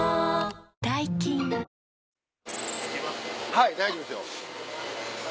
はい大丈夫ですよ。